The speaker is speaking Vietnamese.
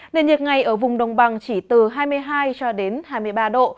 nền nhiệt ngày ở vùng đồng bằng chỉ từ hai mươi hai cho đến hai mươi ba độ